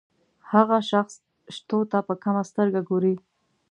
هغه شخص شتو ته په کمه سترګه ګوري.